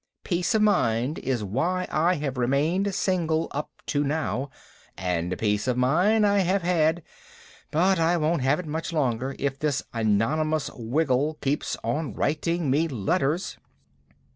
"Peace of mind is why I have remained single up to now, and peace of mind I have had, but I won't have it much longer if this Anonymous Wiggle keeps on writing me letters."